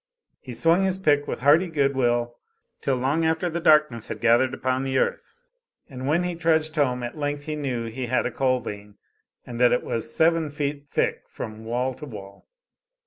He swung his pick with hearty good will till long after the darkness had gathered upon the earth, and when he trudged home at length he knew he had a coal vein and that it was seven feet thick from wall to wall.